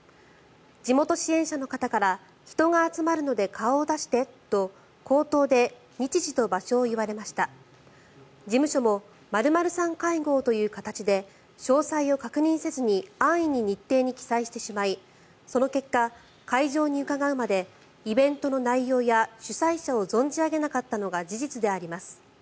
地元支援者の方から人が集まるので顔を出してと口頭で日時と場所を言われました事務所も○○さん会合という形で詳細を確認せずに安易に日程に記載してしまいその結果、会場に伺うまでイベントの内容や主催者を存じ上げなかったのが事実であります